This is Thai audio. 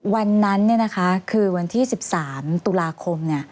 วันนั้นคือวันที่๑๓ตุลาคม